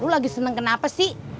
lo lagi seneng kenapa sih